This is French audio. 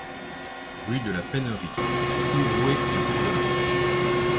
Rue de la Pennerie, Ourouer-les-Bourdelins